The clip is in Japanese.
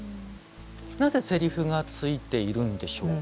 なぜせりふがついているんでしょうか。